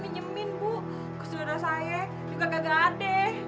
minyamin buk creative saya juga kagak ade'